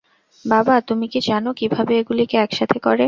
বাবা, তুমি কি জানো কিভাবে এগুলিকে একসাথে করে?